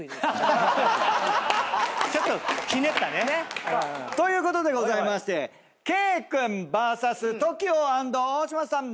ちょっとひねったね。ということでございまして圭君ＶＳＴＯＫＩＯ＆大島さん